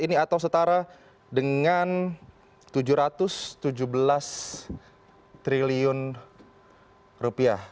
ini atau setara dengan tujuh ratus tujuh belas triliun rupiah